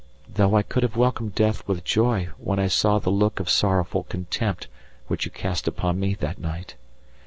Though I could have welcomed death with joy when I saw the look of sorrowful contempt which you cast upon me that night.